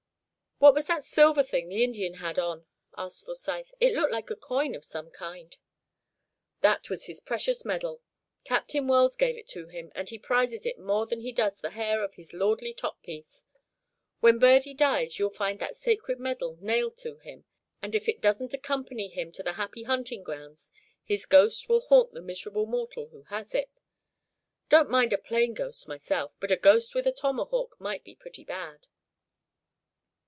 "What was that silver thing the Indian had on?" asked Forsyth. "It looked like a coin of some kind." "That was his precious medal. Captain Wells gave it to him, and he prizes it more than he does the hair of his lordly top piece. When Birdie dies, you'll find that sacred medal nailed to him, and if it doesn't accompany him to the happy hunting grounds, his ghost will haunt the miserable mortal who has it. Don't mind a plain ghost myself, but a ghost with a tomahawk might be pretty bad."